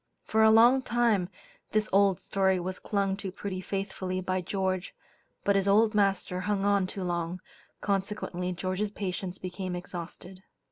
For a long time this old story was clung to pretty faithfully by George, but his "old master hung on too long," consequently George's patience became exhausted.